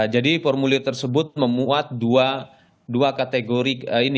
jadi formulir tersebut memuat dua kategori